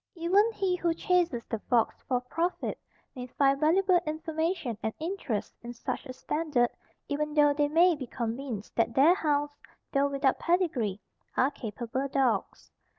Even he who chases the fox for profit may find valuable information and interest in such a standard, even though they may be convinced that their hounds, though without pedigree, are capable dogs.